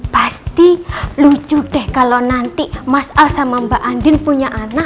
pasti lucu deh kalau nanti mas al sama mbak andin punya anak